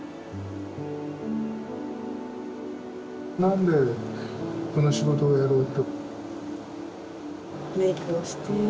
何でこの仕事をやろうと？